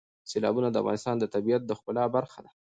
سیلابونه د افغانستان د طبیعت د ښکلا برخه ده.